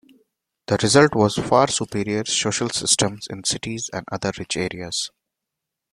The result was far superior social systems in cities and other rich areas.